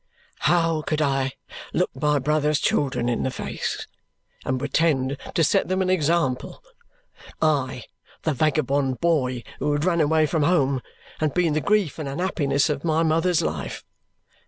How could I look my brother's children in the face and pretend to set them an example I, the vagabond boy who had run away from home and been the grief and unhappiness of my mother's life?